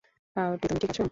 Coyote, তুমি ঠিক আছো?